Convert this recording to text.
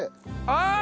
ああ！